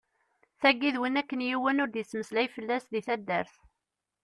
Tagi d win akken yiwen ur d-yettmeslay fell-as deg taddart.